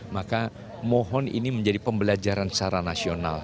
maka mohon ini menjadi pembelajaran secara nasional